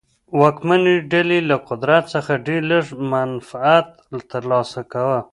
واکمنې ډلې له قدرت څخه ډېر لږ منفعت ترلاسه کاوه.